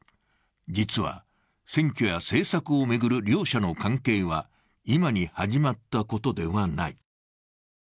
実は、選挙や政策を巡る両者の関係は今に始まったことではない。